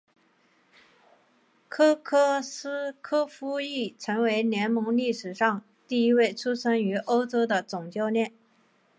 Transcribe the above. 科克斯柯夫亦成为联盟历史上第一位出生于欧洲的总教练。